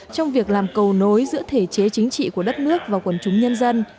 trong việc làm cầu nối giữa thể chế chính trị của đất nước và quần chúng nhân dân